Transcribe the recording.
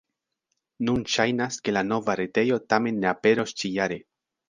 Nun ŝajnas, ke la nova retejo tamen ne aperos ĉi-jare.